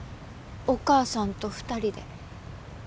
お母さんと２人で。